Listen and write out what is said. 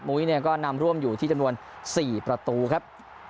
ุ้ยเนี่ยก็นำร่วมอยู่ที่จำนวน๔ประตูครับ